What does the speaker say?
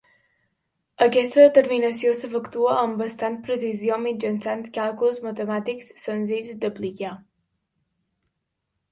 Aquesta determinació s'efectua amb bastant precisió mitjançant càlculs matemàtics senzills d'aplicar.